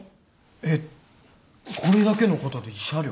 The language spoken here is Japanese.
えっこれだけのことで慰謝料？